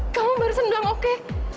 kamu barusan bilang oke